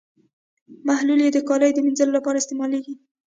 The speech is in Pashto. محلول یې د کالیو د مینځلو لپاره استعمالیږي.